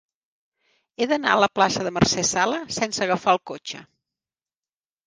He d'anar a la plaça de Mercè Sala sense agafar el cotxe.